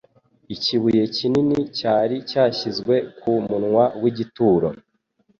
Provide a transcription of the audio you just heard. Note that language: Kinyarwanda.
Ikibuye kinini cyari cyashyizwe ku munwa w'igituro.